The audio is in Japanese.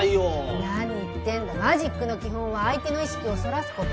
マジックの基本は相手の意識をそらすこと。